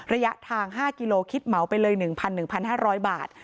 ระยะทาง๕กิโลคิดเหมาไปเลย๑๑๕๐๐บาท